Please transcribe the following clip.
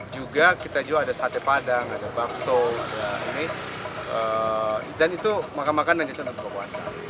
juga kita juga ada sate padang ada bakso dan itu makanan makanan yang contoh untuk berbuka puasa